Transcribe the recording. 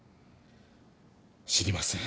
知りません。